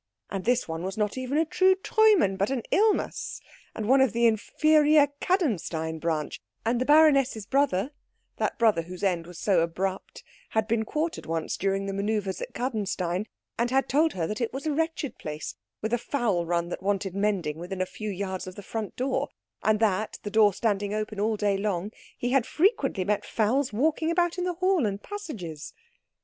And this one was not even a true Treumann, but an Ilmas, and of the inferior Kadenstein branch; and the baroness's brother that brother whose end was so abrupt had been quartered once during the man[oe]uvres at Kadenstein, and had told her that it was a wretched place, with a fowl run that wanted mending within a few yards of the front door, and that, the door standing open all day long, he had frequently met fowls walking about in the hall and passages.